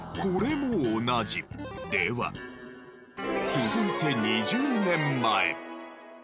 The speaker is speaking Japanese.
続いて２０年前。